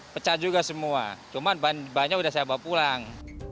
pecah juga semua cuman banyak yang saya bawa pulang